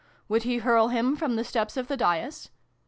Would he hurl him from the steps of the dais